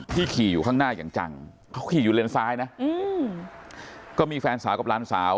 ขี่อยู่ข้างหน้าอย่างจังเขาขี่อยู่เลนซ้ายนะก็มีแฟนสาวกับหลานสาว